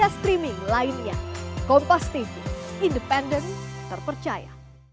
selainnya kompas tv independen terpercaya